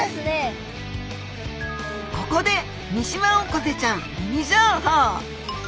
ここでミシマオコゼちゃんミニ情報！